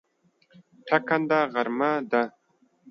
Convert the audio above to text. ټکنده غرمه ده